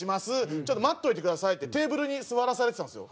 ちょっと待っといてください」ってテーブルに座らされてたんですよ。